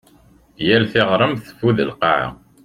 Yal tiɣmert teffud lqaɛa.